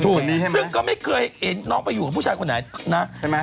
ซึ่งก็ไม่เคยเห็นน้องไปอยู่กับผู้ชายคนไหนนะ